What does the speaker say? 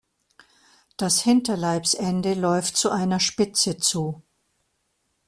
Das Hinterleibsende läuft zu einer Spitze zu.